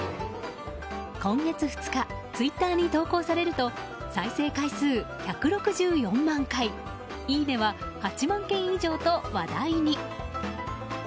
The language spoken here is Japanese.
今月２日ツイッターに投稿されると再生回数１６４万回いいねは８万件以上と話題に。